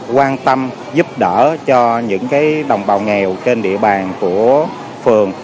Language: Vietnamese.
quan tâm giúp đỡ cho những đồng bào nghèo trên địa bàn của phường